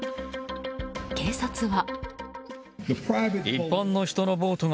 警察は。